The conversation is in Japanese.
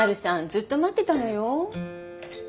ずっと待ってたのよ。